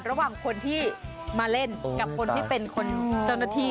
ระหว่างคนที่มาเล่นกับคนที่เป็นคนเจ้าหน้าที่